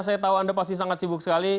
saya tahu anda pasti sangat sibuk sekali